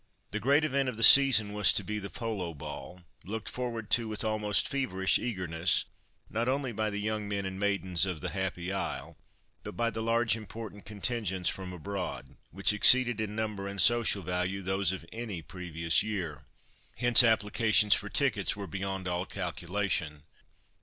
The great event of the season was to be the Polo Ball, looked forward to with almost feverish eagerness, not only by the young men and maidens of the Happy Isle, but by the large important contingents from abroad, which exceeded in number, and social value, those of any previous year. Hence applications for tickets were beyond all calculation.